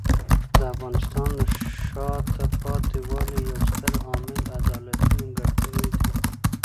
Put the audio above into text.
د افغانستان د شاته پاتې والي یو ستر عامل عدالتي نیمګړتیاوې دي.